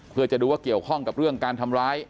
เพื่อจะดูว่าเกี่ยวข้องกับเรื่องการทำร้าย